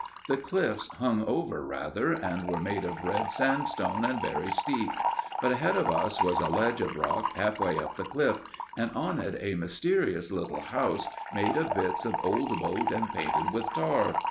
The cliffs hung over rather, and were made of red sandstone, and very steep; but ahead of us was a ledge of rock half way up the cliff, and on it a mysterious little house made of bits of old boat and painted with tar.